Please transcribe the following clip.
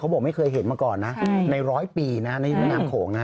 เขาบอกว่าไม่เคยเห็นมาก่อนนะในร้อยปีนะน้ำโขงนะ